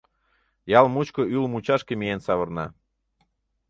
Ял мучко ӱлыл мучашке миен савырна.